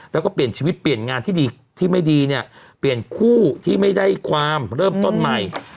แล้วก็เปลี่ยนชีวิตเปลี่ยนงานที่ดีที่ไม่ดีเนี่ยเปลี่ยนคู่ที่ไม่ได้ความเริ่มต้นใหม่